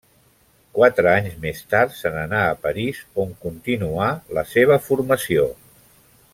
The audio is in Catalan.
Quatre anys més tard se n'anà a París, on continuà la seva formació.